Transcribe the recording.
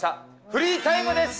フリータイムです！